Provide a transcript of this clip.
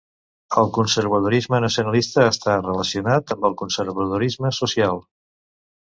El conservadorisme nacionalista està relacionat amb el conservadorisme social.